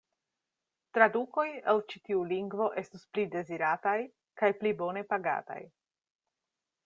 Tradukoj el ĉi tiu lingvo estus pli dezirataj kaj pli bone pagataj.